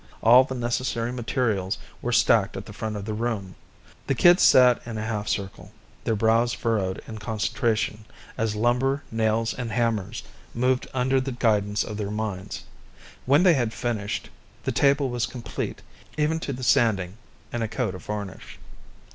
All the necessary materials were stacked at the front of the room. The kids sat in a half circle, their brows furrowed in concentration as lumber, nails and hammers moved under the guidance of their minds. When they had finished, the table was complete, even to the sanding and a coat of varnish.